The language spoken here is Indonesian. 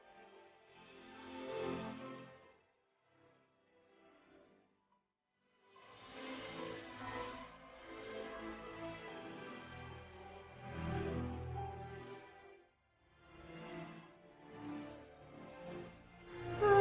terus mereka klik penutupnya